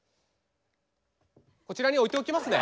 こちらに置いておきますね。